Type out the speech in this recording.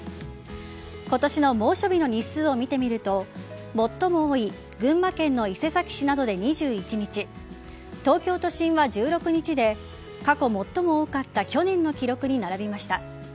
今年の猛暑日の日数を見てみると最も多い群馬県の伊勢崎市などで２１日東京都心は１６日で過去最も多かった去年の記録に並びました。